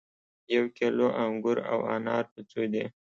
یو کیلو انګور او انار په څو دي